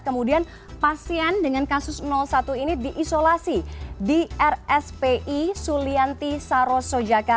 kemudian pasien dengan kasus satu ini diisolasi di rspi sulianti saroso